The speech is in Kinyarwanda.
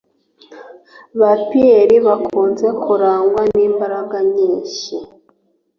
Ba Pierre bakunze kurangwa n’imbaraga nyinshi